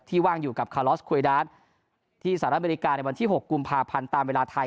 ว่างอยู่กับคาลอสควยดาร์ทที่สหรัฐอเมริกาในวันที่๖กุมภาพันธ์ตามเวลาไทย